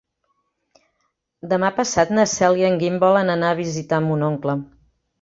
Demà passat na Cel i en Guim volen anar a visitar mon oncle.